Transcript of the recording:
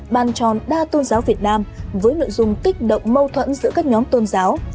bàn tròn đa tôn giáo việt nam với nội dung kích động mâu thuẫn giữa các nhóm tôn giáo